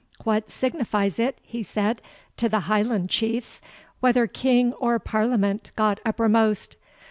What signifies it," he said, "to the Highland Chiefs, whether King or Parliament got uppermost?